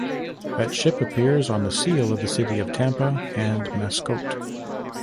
That ship appears on the seal of the city of Tampa and Mascotte.